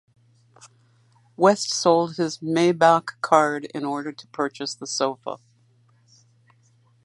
West sold his Maybach car in order to purchase the sofa.